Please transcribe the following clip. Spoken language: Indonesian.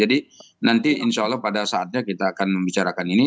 jadi nanti insya allah pada saatnya kita akan membicarakan ini